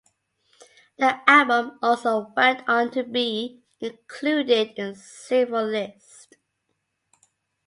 The album also went on to be included in several lists.